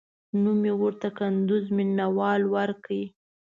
نوم مې ورته د کندوز مېله وال ورکړ.